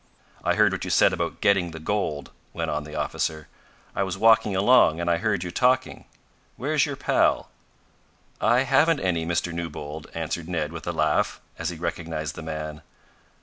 "I heard what you said about gettin' the gold," went on the officer. "I was walkin' along and I heard you talkin'. Where's your pal?" "I haven't any, Mr. Newbold," answered Ned with a laugh, as he recognized the man.